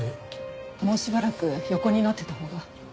もうしばらく横になってたほうが。